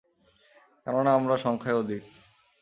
কেননা, আমরা সংখ্যায় অধিক।